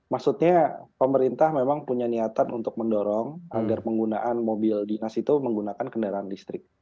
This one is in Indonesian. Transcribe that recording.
maksudnya pemerintah memang punya niatan untuk mendorong agar penggunaan mobil dinas itu menggunakan kendaraan listrik